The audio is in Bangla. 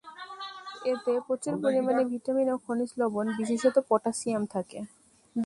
এতে প্রচুর পরিমাণে ভিটামিন ও খনিজ লবণ, বিশেষত পটাশিয়াম থাকে।